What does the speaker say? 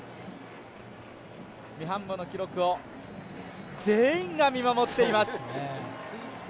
ミハンボの記録を全員が見守っています。